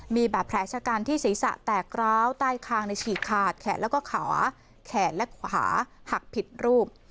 มีแบบแผลชะกันที่ศีรษะแตกร้าวใต้คางในฉี่ขาดแขนและขาหักผิดรูป